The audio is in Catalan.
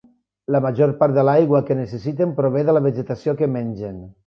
La major part de l'aigua que necessiten prové de la vegetació que mengen.